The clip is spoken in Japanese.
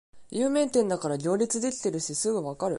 有名店だから行列できてるしすぐわかる